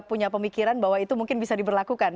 punya pemikiran bahwa itu mungkin bisa diberlakukan